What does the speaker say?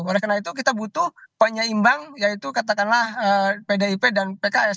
oleh karena itu kita butuh penyeimbang yaitu katakanlah pdip dan pks